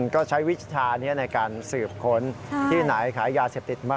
ก็ใช้วิชานี้ในการสืบค้นที่ไหนขายยาเสพติดมาก